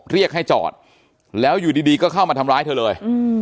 เรียกให้จอดแล้วอยู่ดีก็เข้ามาทำร้ายเธอเลย